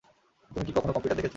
তুমি কি কখনো কম্পিউটার দেখেছ?